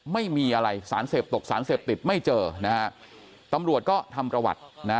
ไม่มีอะไรสารเสพตกสารเสพติดไม่เจอนะฮะตำรวจก็ทำประวัตินะ